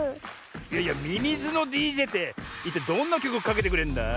いやいやミミズのＤＪっていったいどんなきょくをかけてくれるんだ？